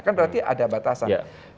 kan berarti ada batasan